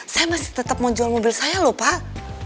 saya masih tetap mau jual mobil saya lho pak